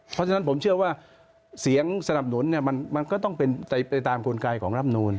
เพราะฉะนั้นผมเชื่อว่าเสียงสนับสนุนมันก็ต้องเป็นไปตามกลไกของรับนูล